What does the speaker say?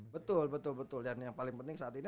betul betul betul dan yang paling penting saat ini